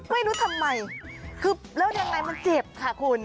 ไม่รู้ทำไมแล้วทางไหนมันเจ็บค่ะคุณ